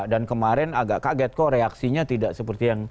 dan kemarin agak kaget kok reaksinya tidak seperti yang